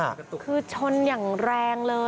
คือชนอย่างแรงเลย